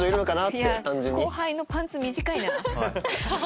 後輩のパンツ短いな。